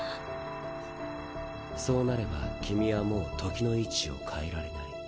そうなれば君はもう時の位置を変えられない。